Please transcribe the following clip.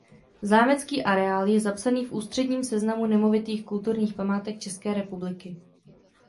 Zámecký areál je zapsaný v Ústředním seznamu nemovitých kulturních památek České republiky.